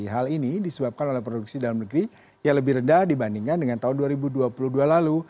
hal ini disebabkan oleh produksi dalam negeri yang lebih rendah dibandingkan dengan tahun dua ribu dua puluh dua lalu